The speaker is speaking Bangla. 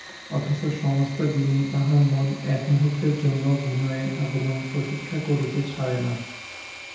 অথচ সমস্ত দিনই তাহার মন এক মুহূর্তের জন্যও বিনয়ের আগমন প্রতীক্ষা করিতে ছাড়ে নাই।